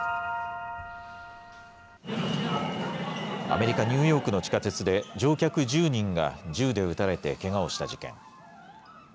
アメリカ・ニューヨークの地下鉄で、乗客１０人が銃で撃たれてけがをした事件。